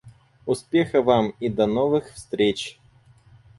Успеха Вам, и до новых встреч.